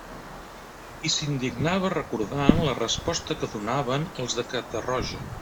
I s'indignava recordant la resposta que donaven els de Catarroja.